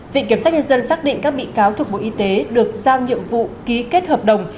viện kiểm sát nhân dân xác định các bị cáo thuộc bộ y tế được giao nhiệm vụ ký kết hợp đồng